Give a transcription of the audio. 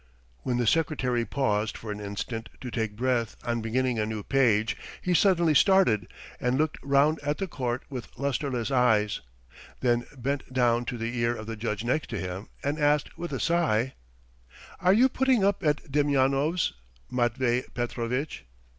When the secretary paused for an instant to take breath on beginning a new page, he suddenly started and looked round at the court with lustreless eyes, then bent down to the ear of the judge next to him and asked with a sigh: "Are you putting up at Demyanov's, Matvey Petrovitch?"